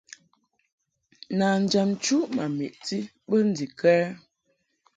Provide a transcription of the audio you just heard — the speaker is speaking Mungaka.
Nanjam nchuʼmvi ma meʼti bə ndikə ?